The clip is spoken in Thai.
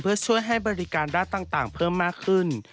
เพื่อช่วยให้บริการด้านต่างเพิ่มมากขึ้น